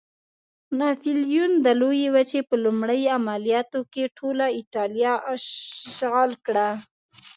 ناپلیون د لویې وچې په لومړي عملیاتو کې ټوله اېټالیا اشغال کړه.